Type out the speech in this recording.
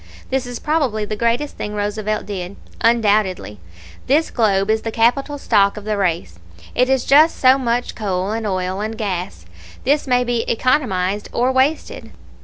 This is probably the greatest thing Roosevelt did, undoubtedly. This globe is the capital stock of the race. It is just so much coal and oil and gas. This may be economized or wasted.